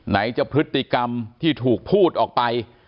ไหนจะพฤติกรรมที่ถูกพูดออกไป